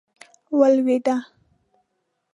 ولوېده.